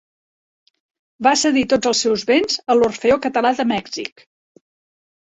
Va cedir tots els seus béns a l'Orfeó Català de Mèxic.